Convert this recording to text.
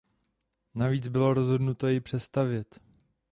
Navíc bylo rozhodnuto jej přestavět.